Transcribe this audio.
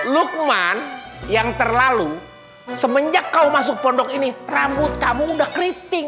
lukman yang terlalu semenjak kau masuk pondok ini rambut kamu udah keriting